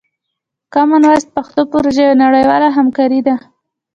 کامن وایس پښتو پروژه یوه نړیواله همکاري ده.